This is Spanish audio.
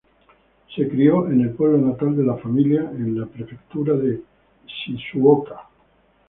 Se crio en el pueblo natal de la familia en la prefectura de Shizuoka.